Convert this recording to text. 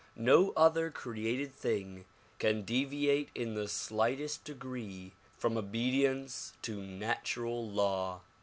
No other created thing can deviate in the slightest degree from obedience to natural law.